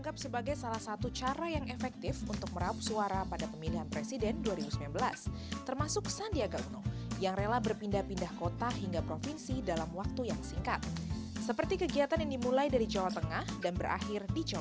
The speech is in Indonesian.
bersama calon wakil presiden nomor urut dua sandiaga uno